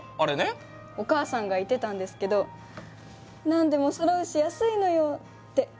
お母さんが言ってたんですけど「何でもそろうし安いのよ」って。